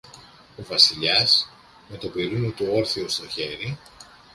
Ο Βασιλιάς, με το πιρούνι του όρθιο στο χέρι